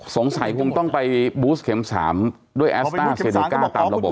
สงสัยคงต้องไปบูสเข็ม๓ด้วยแอสต้าเซเนก้าตามระบบ